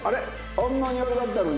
あんなにあれだったのに最後。